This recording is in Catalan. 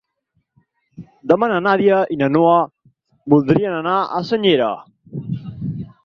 Demà na Nàdia i na Noa voldrien anar a Senyera.